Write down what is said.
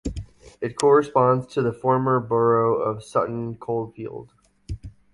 It corresponds to the former borough of Sutton Coldfield.